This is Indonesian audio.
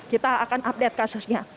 kita akan update kasusnya